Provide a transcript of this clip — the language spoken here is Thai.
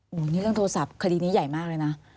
โอ้โหนี่เรื่องโทรศัพท์คดีนี้ใหญ่มากเลยนะ